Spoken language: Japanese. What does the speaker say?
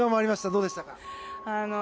どうでしたか？